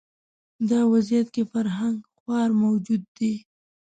دا وضعیت کې فرهنګ خوار موجود دی